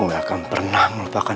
kami melihat lihatmu laintip semangat